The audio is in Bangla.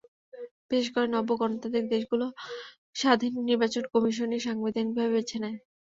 বিশেষ করে নব্য গণতান্ত্রিক দেশগুলো স্বাধীন নির্বাচন কমিশনই সাংবিধানিকভাবে বেছে নেয়।